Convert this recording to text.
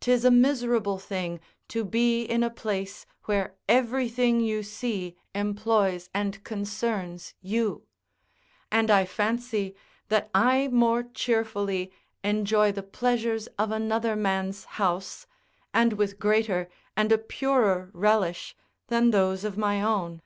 'Tis a miserable thing to be in a place where everything you see employs and concerns you; and I fancy that I more cheerfully enjoy the pleasures of another man's house, and with greater and a purer relish, than those of my own.